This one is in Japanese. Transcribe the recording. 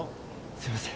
すいません。